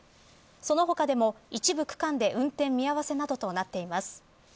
その他でも、一部区間で運転見合わせなどとなっています。